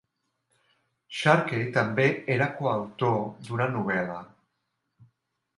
Sharkey també era coautor d'una novel·la.